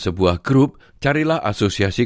sebuah grup carilah asosiasi